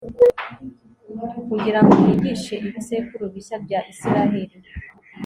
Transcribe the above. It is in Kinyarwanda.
kugira ngo yigishe ibisekuru bishya bya israheli